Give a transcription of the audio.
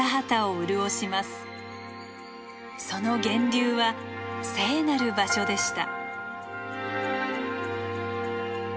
その源流は聖なる場所でした。